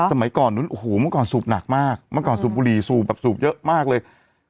สมัยก่อนนู้นโอ้โหเมื่อก่อนสูบหนักมากเมื่อก่อนสูบบุหรี่สูบแบบสูบเยอะมากเลย